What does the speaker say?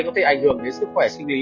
có thể ảnh hưởng đến sức khỏe sinh lý